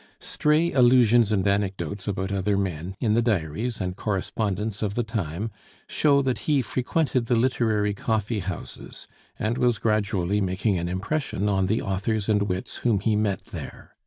Stray allusions and anecdotes about other men in the diaries and correspondence of the time show that he frequented the literary coffee houses, and was gradually making an impression on the authors and wits whom he met there.